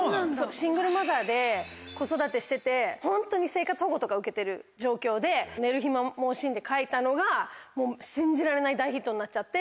シングルマザーで子育てしててホントに生活保護とか受けてる状況で寝る暇も惜しんで書いたのが信じられない大ヒットになっちゃって。